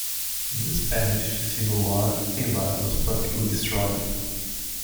In the Spanish Civil War, Eibar was practically destroyed.